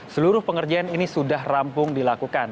seluruh pengerjaan ini sudah rampung dilakukan